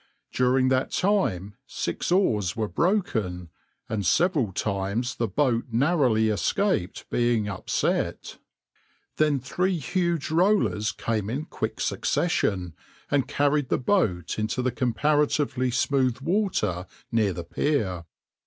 During that time six oars were broken, and several times the boat narrowly escaped being upset. Then three huge rollers came in quick succession and carried the boat into the comparatively smooth water near the pier.